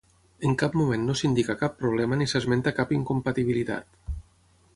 En cap moment no s’indica cap problema ni s’esmenta cap incompatibilitat.